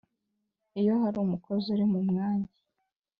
iyo hari umukozi uri mu mwanya